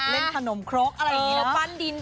เล่นขนมครกอะไรอย่างนี้นะ